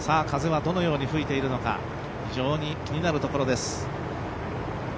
風はどのように吹いているのか気になるところです。